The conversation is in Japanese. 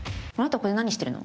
ここで何してるの？